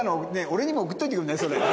俺にも送っといてくれない？